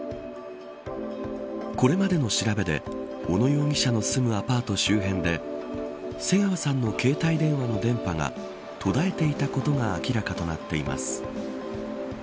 これまでの調べで小野容疑者の住むアパート周辺で瀬川さんの携帯電話の電波が途絶えていたことが明らかとなっています。